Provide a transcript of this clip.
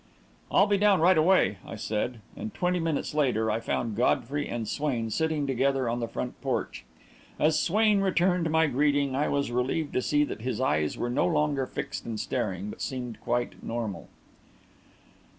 "I'll be down right away," I said, and twenty minutes later, I found Godfrey and Swain sitting together on the front porch. As Swain returned my greeting, I was relieved to see that his eyes were no longer fixed and staring, but seemed quite normal.